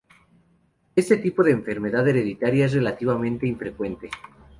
Este tipo de enfermedad hereditaria es relativamente infrecuente.